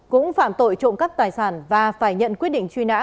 cũng phạm tội trộm cắp tài sản và phải nhận quyết định truy nã